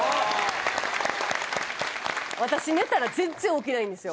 私寝たら全然起きないんですよ。